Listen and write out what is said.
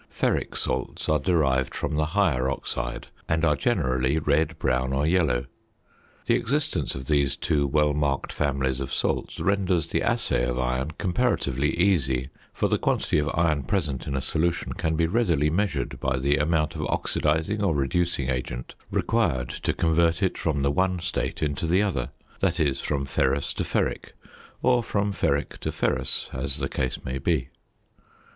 Ferric salts are derived from the higher oxide, and are generally red, brown, or yellow. The existence of these two well marked families of salts renders the assay of iron comparatively easy, for the quantity of iron present in a solution can be readily measured by the amount of oxidising or reducing agent required to convert it from the one state into the other that is, from ferrous to ferric, or from ferric to ferrous, as the case may be.